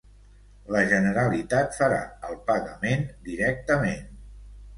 La Generalitat farà el pagament directament.